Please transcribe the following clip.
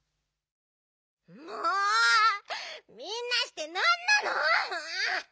もうみんなしてなんなの？